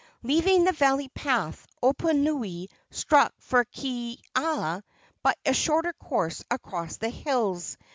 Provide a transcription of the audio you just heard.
Leaving the valley path, Oponui struck for Kealia by a shorter course across the hills.